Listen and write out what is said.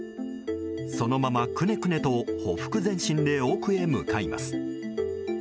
そのままくねくねとほふく前進で奥へ向かいます。